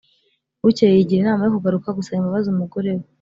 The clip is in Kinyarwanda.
Bukeye yigira inama yo kugaruka gusaba imbabazi umugore we